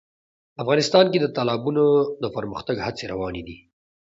افغانستان کې د تالابونه د پرمختګ هڅې روانې دي.